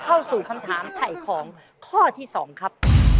เข้าสู่คำถามไถ่ของข้อที่๒ครับ